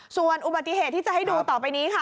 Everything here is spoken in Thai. ส่วนอุบัติเหตุที่จะให้ดูต่อไปนี้ค่ะ